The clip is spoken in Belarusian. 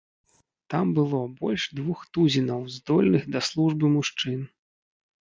Там было больш двух тузінаў здольных да службы мужчын.